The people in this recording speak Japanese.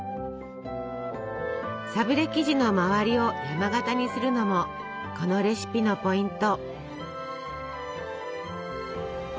サブレ生地の周りを山型にするのもこのレシピのポイント。